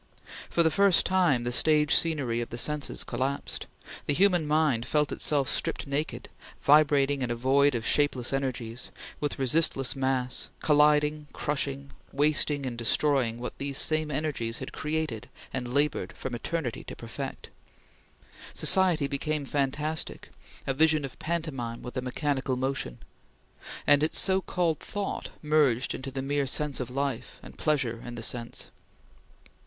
For the first time, the stage scenery of the senses collapsed; the human mind felt itself stripped naked, vibrating in a void of shapeless energies, with resistless mass, colliding, crushing, wasting, and destroying what these same energies had created and labored from eternity to perfect. Society became fantastic, a vision of pantomime with a mechanical motion; and its so called thought merged in the mere sense of life, and pleasure in the sense.